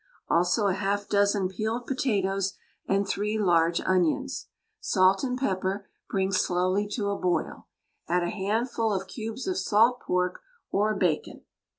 Also a half dozen peeled potatoes and three large onions. Salt and pepper, bring slowly to a boil. Add a handful of cubes of salt pork or bacon.